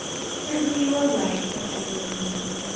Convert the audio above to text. "Certainly, you are right," said Adelaide, musingly.